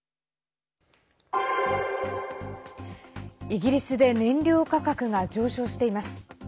イギリスで燃料価格が上昇しています。